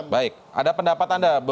baik ada pendapat anda